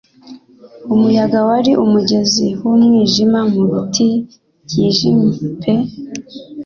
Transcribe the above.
Umuyaga wari umugezi wumwijima mubiti byijimye pe